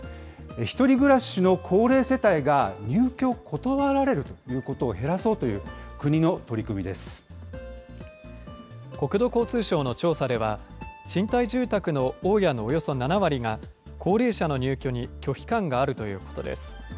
１人暮らしの高齢世帯が入居を断られるということを減らそうとい国土交通省の調査では、賃貸住宅の大家のおよそ７割が、高齢者の入居に拒否感があるということです。